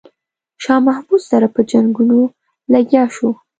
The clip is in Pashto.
شاه محمود سره په جنګونو لګیا شو.